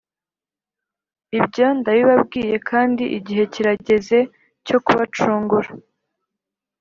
ibyo ndabibabwiye kandi igihe kirageze cyo kubacungura,